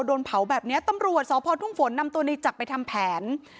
โดนเผาแบบนี้ตำรวจสพทุ่งฝนนำตัวในจักรไปทำแผน